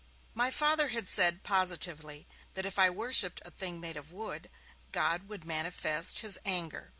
My Father had said, positively, that if I worshipped a thing made of wood, God would manifest his anger.